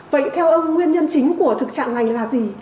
vậy theo ông nguyên nhân chính của thực trạng này là gì